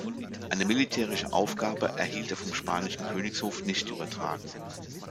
Eine militärische Aufgabe erhielt er vom spanischen Königshof nicht übertragen.